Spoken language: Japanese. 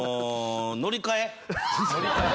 「乗り換え」